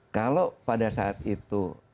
kalau pada saat itu